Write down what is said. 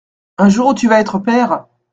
Un jour où tu vas être père !